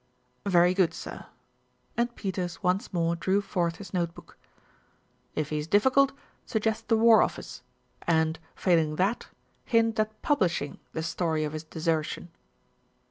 "Very good, sir!" and Peters once more drew forth his notebook. "If he is difficult, suggest the War Office and, fail ing that, hint at publishing the story of his desertion."